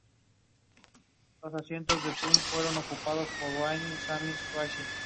El contraste resultaba llamativo.